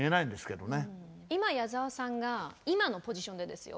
今矢沢さんが今のポジションでですよ